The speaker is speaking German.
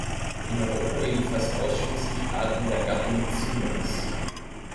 In Europa leben fast ausschließlich Arten der Gattung "Cimex".